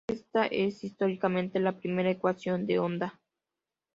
Esta es históricamente la primera ecuación de onda.